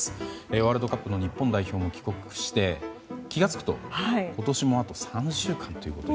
ワールドカップの日本代表も帰国して気が付くと、今年もあと３週間ということで。